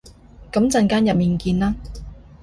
噉陣間入面見啦